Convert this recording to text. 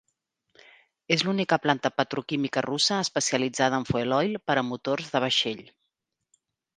És l'única planta petroquímica russa especialitzada en fueloil per a motors de vaixell.